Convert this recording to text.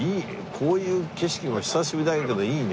こういう景色も久しぶりだけどいいね。